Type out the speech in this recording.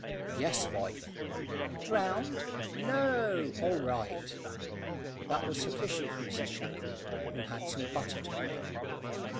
"Yes, wife." "Drowned?" "No; all right." That was sufficient for Mrs Shackle, who had some butter to make.